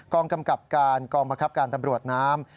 กำกับการกองบังคับการตำรวจน้ำ